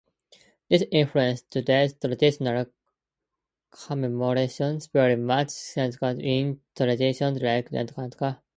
This influences today's traditional commemorations, very much Catholic-based in traditions like "Corpus Christi".